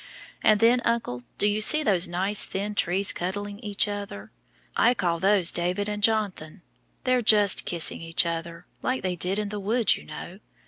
And then, uncle, do you see those nice thin trees cuddling each other? I call those David and Jon'than; they're just kissing each other, like they did in the wood, you know.